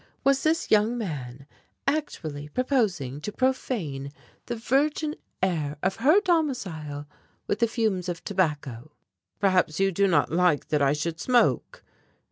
Was this young man actually proposing to profane the virgin air of her domicile with the fumes of tobacco? "Perhaps you do not like that I should smoke?"